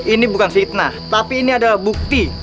ini bukan fitnah tapi ini ada bukti